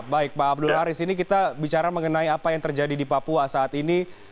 baik pak abdul haris ini kita bicara mengenai apa yang terjadi di papua saat ini